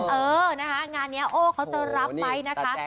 เออนะฮะงานนี้เขาจะรับไว้นะคะ